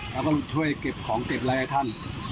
แล้วก็ช่วยเก็บของเก็บอะไรให้ท่าน